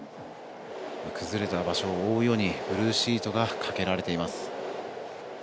崩れた場所を覆うようにブルーシートがかけられています。